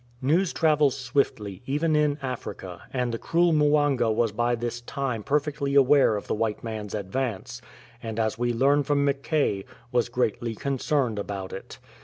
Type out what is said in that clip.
News travels swiftly even in Africa, and the cruel Mwanga was by this time perfectly aware of the white man's advance, and, as we learn from Mackay, was greatly concerned about it.